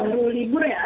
baru libur ya